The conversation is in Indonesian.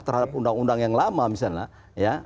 terhadap undang undang yang lama misalnya ya